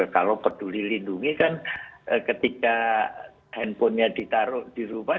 kalau peduli lindungi kan ketika handphonenya ditaruh di rumah